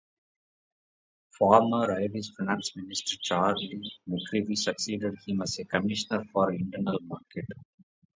Former Irish finance minister Charlie McCreevy succeeded him as Commissioner for the Internal Market.